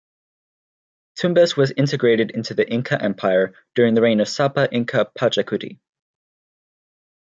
Tumbes was integrated into the Inca Empire during the reign of Sapa Inca Pachacuti.